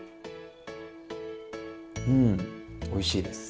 うんおいしいです。